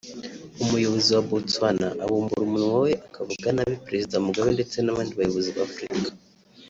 umuyobozi wa Botswana abumbura umunwa we akavuga nabi Perezida Mugabe ndetse n’abandi bayobozi ba Afurika